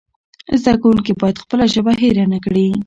زده کوونکي باید خپله ژبه هېره نه کړي.